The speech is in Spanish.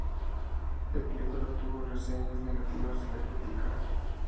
La película obtuvo reseñas negativas de la crítica.